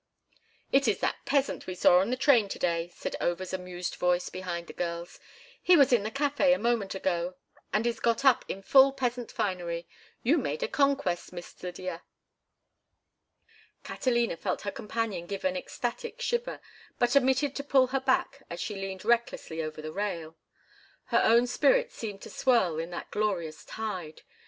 "It is that peasant we saw on the train to day," said Over's amused voice behind the girls. "He was in the café a moment ago and is got up in full peasant finery. You made a conquest, Miss Lydia." Catalina felt her companion give an ecstatic shiver, but omitted to pull her back as she leaned recklessly over the rail. Her own spirit seemed to swirl in that glorious tide.